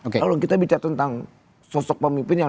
kalau kita bicara tentang sosok pemimpin yang